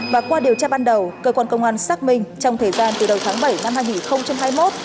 và qua điều tra ban đầu cơ quan công an xác minh trong thời gian từ đầu tháng bảy năm hai nghìn hai mươi một